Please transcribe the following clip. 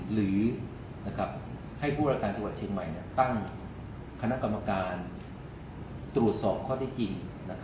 หรือให้ผู้ราชการจังหวัดเชียงใหม่ตั้งคณะกรรมการตรวจสอบข้อที่จริง